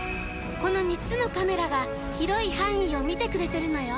この３つのカメラが広い範囲を見てくれてるのよ！